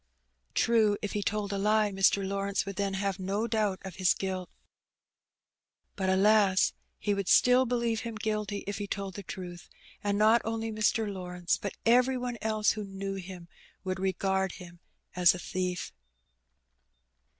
True, if he told a lie Mr. Lawrence would then have no doubt of his guilt. But, alas ! he would still believe him guilty if he told the truth, and not only Mr. Lawrence, but every one else that knew him would regard him as a thief.